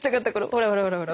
ほらほらほらほら。